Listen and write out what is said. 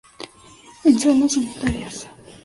En Salas Unitarias.